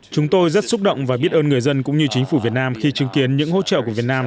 chúng tôi rất xúc động và biết ơn người dân cũng như chính phủ việt nam khi chứng kiến những hỗ trợ của việt nam